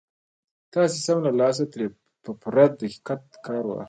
تاسې سم له لاسه ترې په پوره دقت کار واخلئ.